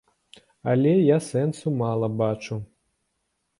Але я сэнсу мала бачу.